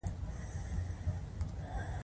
د کور د پاکوالي لپاره باید څه شی وکاروم؟